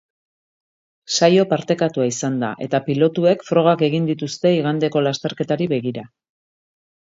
Saio parekatua izan da eta pilotuek frogak egin dituzte igandeko lasterketari begira.